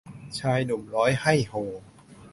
ชายหนุ่มร้อยไห้โฮ